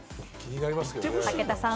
武田さん